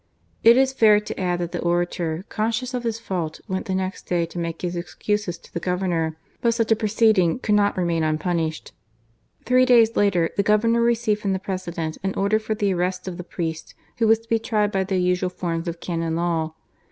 It is &ir to add that the orator, conscious of his fault, went the next day to make his excuses to the Governor. But such a proceeding could not remain unpunished. Three days later, the Governor received from the President an order for the arrest of the priest, who was to be tried by the usual forms of Canon Law.